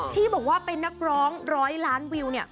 ที่บอกว่าเป็นนักร้องร้อยล้านวิวเนี่ย